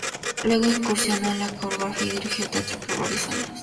Luego incursionó en la coreografía y dirigió teatro por varios años.